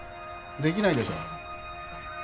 できないでしょう？